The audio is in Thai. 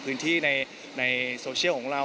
พื้นที่ในโซเชียลของเรา